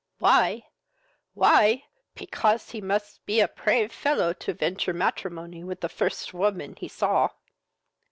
"Why? why? pecause he must be a prave fellow to venture matrimony with the first woman he saw."